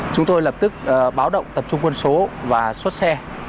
chúng tôi lập tức báo động tập trung quân số và xuất xe